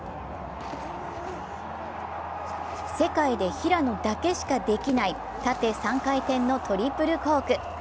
世界で平野だけしかできない、縦３回転のトリプルコーク。